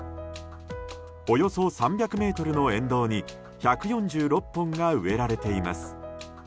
およそ３００ｍの沿道に１４６本が植えられています。